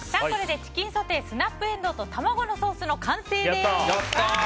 これでチキンソテースナップエンドウと卵のソースの完成です。